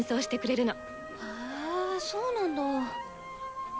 へそうなんだ。